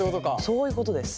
そういうことです。